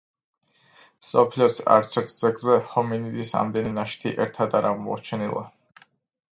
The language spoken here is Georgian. მსოფლიოს არცერთ ძეგლზე ჰომინიდის ამდენი ნაშთი ერთად არ აღმოჩენილა.